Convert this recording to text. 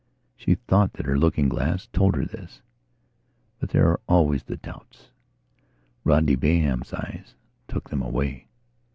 She thought that her looking glass told her this; but there are always the doubts.... Rodney Bayham's eyes took them away.